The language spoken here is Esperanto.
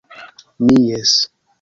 Mi, jes.